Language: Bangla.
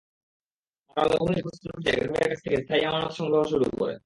তারা লোভনীয় প্রস্তাব দিয়ে গ্রাহকের কাছ থেকে স্থায়ী আমানত সংগ্রহ শুরু করে।